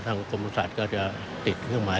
ทางกรมประสุทธิ์ศัตริย์ก็จะติดเครื่องหมาย